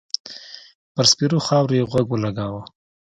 پر سپېرو خاور يې غوږ و لګاوه.